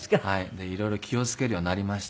で色々気を付けるようになりました。